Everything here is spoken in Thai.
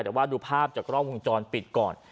แต่ว่าดูภาพจากกล้องวงจรปิดก่อน